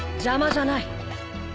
邪魔じゃない。